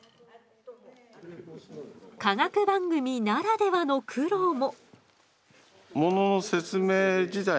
科学番組ならではの苦労も。